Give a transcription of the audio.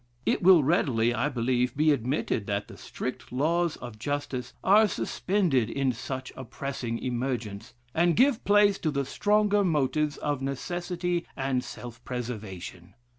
It will readily, I believe, be admitted that the strict laws of justice are suspended in such a pressing emergence, and give place to the stronger motives of necessity and self preservation.